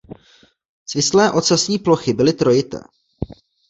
Svislé ocasní plochy byly trojité.